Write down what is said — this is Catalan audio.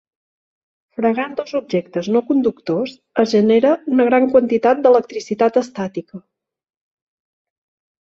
Fregant dos objectes no conductors es genera una gran quantitat d'electricitat estàtica.